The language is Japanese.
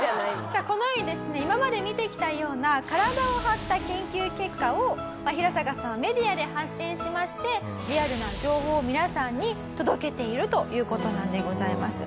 さあこのようにですね今まで見てきたような体を張った研究結果をヒラサカさんはメディアで発信しましてリアルな情報を皆さんに届けているという事なんでございます。